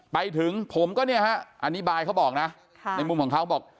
ไปถึงผมก็เนี่ยฮะอันนี้บายเขาบอกนะในมุมของเขาบอก